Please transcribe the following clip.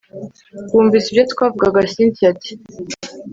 bumvise ibyo twavugaga……… cyntia ati